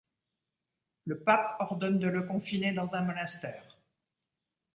Le pape ordonne de le confiner dans un monastère.